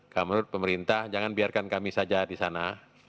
kalau menurut pemerintah jangan biarkan kami saja di sana